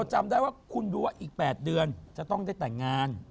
จำได้ว่าคุณดูว่าอีก๘เดือนจะต้องได้แต่งงาน